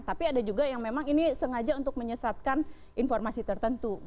tapi ada juga yang memang ini sengaja untuk menyesatkan informasi tertentu